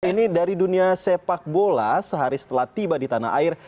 ini dari dunia sepak bola sehari setelah tiba di tanah air